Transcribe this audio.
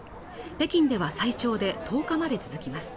北京では最長で１０日まで続きます